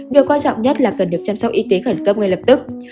điều quan trọng nhất là cần được chăm sóc y tế khẩn cấp ngay lập tức